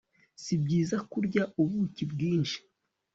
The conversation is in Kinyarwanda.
si byiza kurya ubuki bwinshi